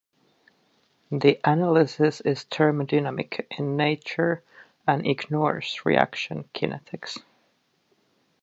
The analysis is thermodynamic in nature and ignores reaction kinetics.